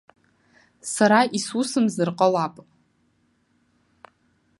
Сара исусымзар ҟалап.